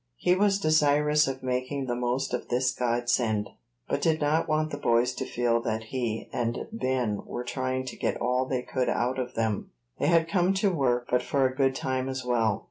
He was desirous of making the most of this godsend, but did not want the boys to feel that he and Ben were trying to get all they could out of them. They had come to work, but for a good time as well.